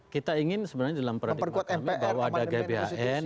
kita ingin sebenarnya dalam paradigma kami bahwa ada gbhn